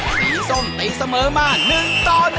สีส้มเป็นเสมอมา๑ต่อ๑แต้ง